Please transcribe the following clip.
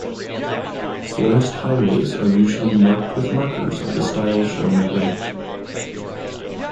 Forest highways are usually marked with markers of the style shown at right.